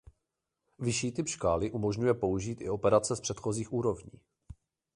Vyšší typ škály umožňuje použít i operace z předchozích úrovní.